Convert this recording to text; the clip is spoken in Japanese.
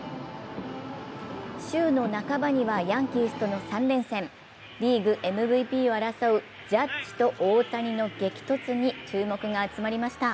週の半ばにはヤンキースとの３連戦リーグＭＶＰを争うジャッジと大谷の激突に注目が集まりました。